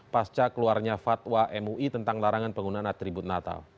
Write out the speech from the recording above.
pasca keluarnya fatwa mui tentang larangan penggunaan atribut natal